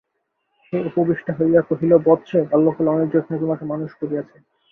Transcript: সে উপবিষ্টা হইয়া কহিল, বৎসে, বাল্যকালে অনেক যত্নে তোমাকে মানুষ করিয়াছি।